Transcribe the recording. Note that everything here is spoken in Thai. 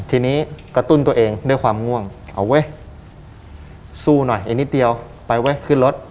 ทีนี้กระตุ้นตัวเองด้วยความง่วงเอาเว้ยสู้หน่อยไอ้นิดเดียวไปเว้ยขึ้นรถ